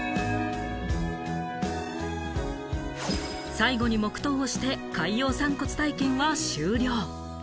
最後に黙とうをして海洋散骨体験は終了。